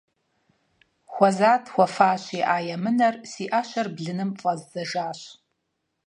Хуэзат хуэфащи а емынэр, си Ӏэщэр блыным фӀэздзэжащ.